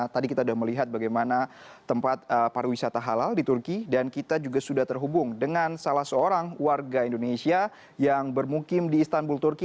tadi kita sudah melihat bagaimana tempat pariwisata halal di turki dan kita juga sudah terhubung dengan salah seorang warga indonesia yang bermukim di istanbul turki